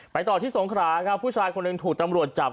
ต่อที่สงขราครับผู้ชายคนหนึ่งถูกตำรวจจับ